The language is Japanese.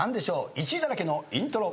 １位だらけのイントロ。